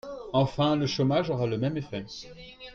Enfin, le chômage aura le même effet.